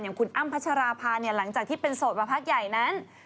คุณอ้ำพัชราภาเนี่ยหลังจากที่เป็นโสดมาพักใหญ่นั้น